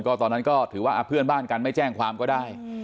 ตอนนั้นก็ถือว่าเพื่อนบ้านกันไม่แจ้งความก็ได้